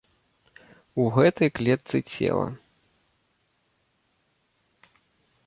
У гэтай клетцы цела.